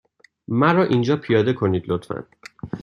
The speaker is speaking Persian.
مرا اینجا پیاده کنید، لطفا.